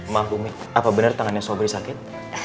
maaf umik apa bener tangannya sobrang sakit